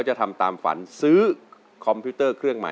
โทษใจโทษใจโทษใจโทษใจโทษใจโทษใจโทษใจโทษใจโทษใจ